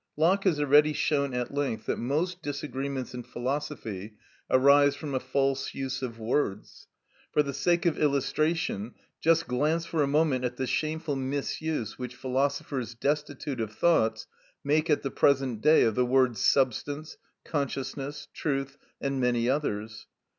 Locke has already shown at length that most disagreements in philosophy arise from a false use of words. For the sake of illustration just glance for a moment at the shameful misuse which philosophers destitute of thoughts make at the present day of the words substance, consciousness, truth, and many others.